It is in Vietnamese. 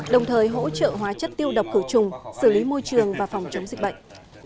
đồng thời hỗ trợ hóa chất tiêu độc khử trùng xử lý môi trường và phòng chống dịch bệnh